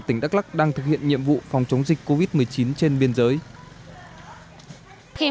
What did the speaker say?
tỉnh đắk lắc đang thực hiện nhiệm vụ phòng chống dịch covid một mươi chín trên biên giới